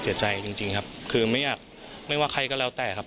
เสียใจจริงครับคือไม่อยากไม่ว่าใครก็แล้วแต่ครับ